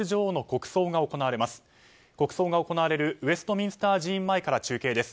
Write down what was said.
国葬が行われるウェストミンスター寺院前から中継です。